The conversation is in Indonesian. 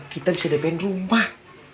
kita bisa dp in rumah